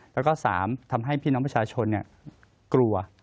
แล้วก็๓ทำให้พี่น้องประชาชนกลัว